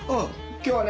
今日はね